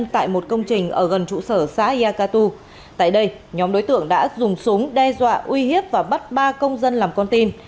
tại đây nhóm đối tượng đã dùng súng đe dọa uy hiếp và bắt ba công dân làm con tin